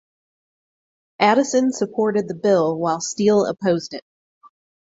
Addison supported the Bill while Steele opposed it.